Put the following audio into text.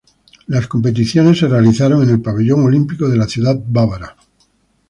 Las competiciones se realizaron en el Pabellón Olímpico de la ciudad bávara.